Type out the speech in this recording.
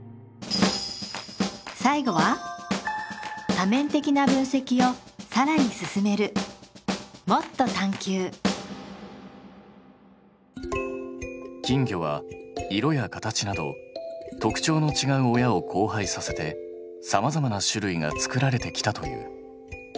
最後は多面的な分析をさらに進める金魚は色や形など特徴のちがう親を交配させてさまざまな種類が作られてきたという。